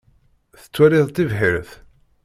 Tettwaliḍ tibḥirt?